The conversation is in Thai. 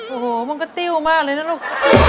โอ้โหมันก็ติ้วมากเลยนะลูก